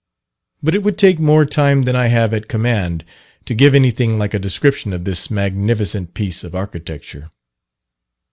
But it would take more time than I have at command to give anything like a description of this magnificent piece of architecture.